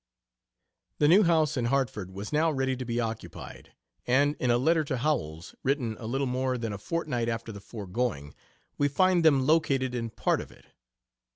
The new house in Hartford was now ready to be occupied, and in a letter to Howells, written a little more than a fortnight after the foregoing, we find them located in "part" of it.